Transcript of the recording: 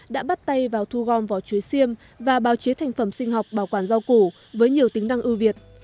đã bắt tay vào thu gom vỏ chuối xiêm và bào chế thành phẩm sinh học bảo quản rau củ với nhiều tính năng ưu việt